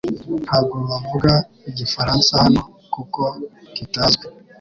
Ntabwo bavuga Igifaransa hano kuko kitazwi .